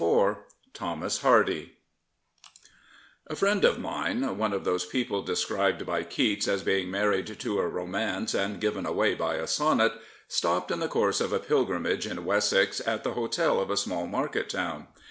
2oa THOMAS HARDY A FRIEND of mine — one of those people described by Keats as being married to a romance and given away by a sonnet — stopped in the course of a pilgrimage in Wessex at the hotel of a small market town.